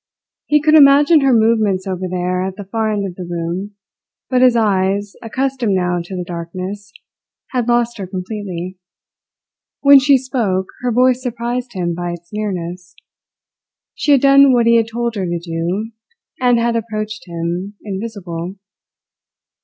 He could imagine her movements over there at the far end of the room; but his eyes, accustomed now to the darkness, had lost her completely. When she spoke, her voice surprised him by its nearness. She had done what he had told her to do, and had approached him, invisible.